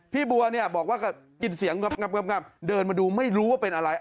บัวเนี่ยบอกว่ากินเสียงงับเดินมาดูไม่รู้ว่าเป็นอะไร